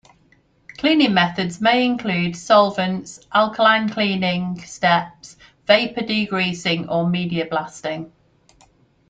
Cleaning methods may include solvents, alkaline cleaning steps, vapor degreasing, or media blasting.